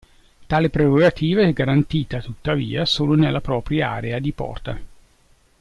Tale prerogativa è garantita tuttavia solo nella propria area di porta.